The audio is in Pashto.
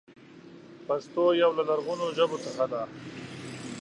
پښتو يو له لرغونو ژبو څخه ده.